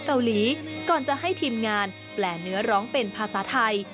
เกาหลีก่อนจะให้ทีมงานแปลเนื้อร้องเป็นภาษาไทย